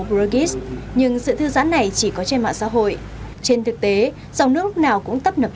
brugis nhưng sự thư giãn này chỉ có trên mạng xã hội trên thực tế dòng nước lúc nào cũng tấp nập